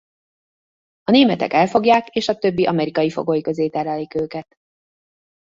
A németek elfogják és a többi amerikai fogoly közé terelik őket.